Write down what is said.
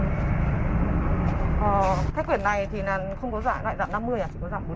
ờ sách quyển này không có giảm năm mươi à chỉ có giảm bốn mươi đây ạ